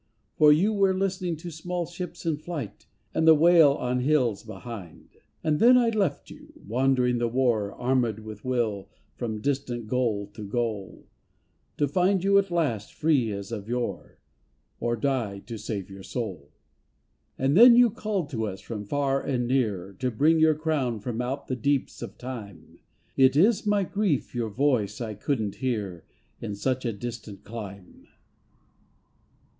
For you were listening to small ships in flight, And the wail on hills behind. And then I left you, wandering the war Armed with will, from distant goal to goal. To find you at the last free as of yore. Or die to save your soul. 243 ^44 IRELAND And then you called to us from far and near To bring your crown from out the deeps of time, It is my grief your voice I couldn't hear In such a distant clime.